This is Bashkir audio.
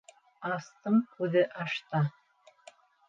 Астың күҙе ашта.